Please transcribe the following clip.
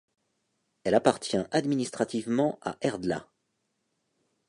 Elle appartient administrativement à Herdla.